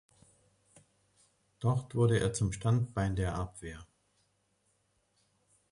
Dort wurde er zum Standbein der Abwehr.